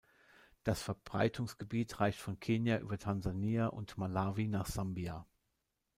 Das Verbreitungsgebiet reicht von Kenia über Tansania und Malawi nach Sambia.